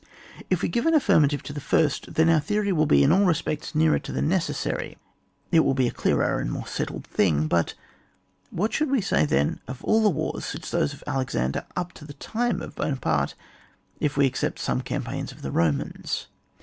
If we give an affirmative to the first, then our Theory will be, in all respects, nearer to the necessary, it will be a clearer and more settled thing. But what should we say then of all wars since those of Alexander up to the time of Buonaparte, if we except some cam paigns of the Romans